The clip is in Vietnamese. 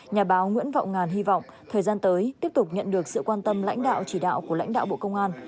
nhà báo nguyễn vọng ngàn hy vọng thời gian tới tiếp tục nhận được sự quan tâm lãnh đạo chỉ đạo của lãnh đạo bộ công an